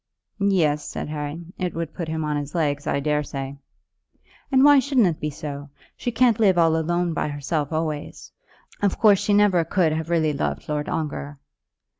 "Yes," said Harry, "it would put him on his legs, I daresay." "And why shouldn't it be so? She can't live alone by herself always. Of course she never could have really loved Lord Ongar."